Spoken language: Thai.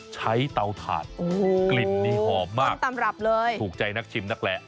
ใช้เตาถาดกลิ่นนี่หอมมากถูกใจนักชิมนักแรกตำรับเลย